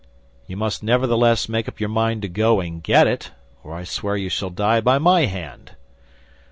"You must nevertheless make up your mind to go and get it, or I swear you shall die by my hand."